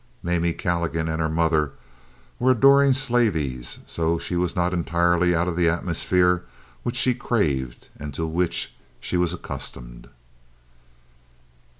Mamie Calligan and her mother were adoring slaveys, so she was not entirely out of the atmosphere which she craved and to which she was accustomed.